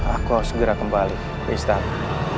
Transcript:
aku segera kembali ke istana